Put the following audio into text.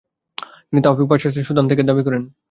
তিনি তাওফিক পাশার কাছে সুদান ত্যাগের দাবি করেন।